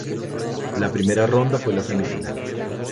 La primera ronda fue la semifinal.